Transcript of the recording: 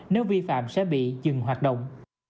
nếu vi phạm sẽ bị dừng hoạt động